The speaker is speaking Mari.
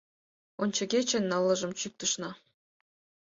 — Ончыгече ныллыжым чӱктышна...